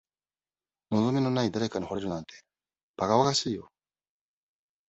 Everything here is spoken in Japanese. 望みのない誰かに惚れるなんて、ばかばかしいよ。